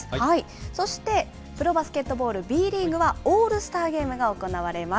そしてプロバスケットボール・Ｂリーグはオールスターゲームが行われます。